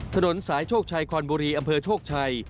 ถนนสายโชคชัยคอนบุรีอำเภอโชคชัย